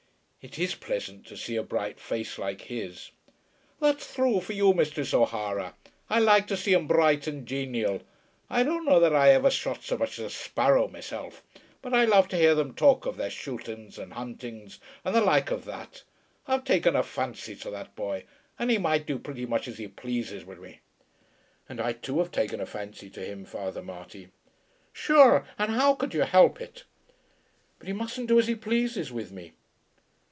"It is pleasant to see a bright face like his." "That's thrue for you, Misthress O'Hara. I like to see 'em bright and ganial. I don't know that I ever shot so much as a sparrow, meself, but I love to hear them talk of their shootings, and huntings, and the like of that. I've taken a fancy to that boy, and he might do pretty much as he plazes wid me." "And I too have taken a fancy to him, Father Marty." "Shure and how could you help it?" "But he mustn't do as he pleases with me."